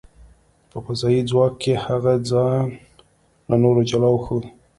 په فضايي ځواک کې، هغې ځان له نورو جلا وښود .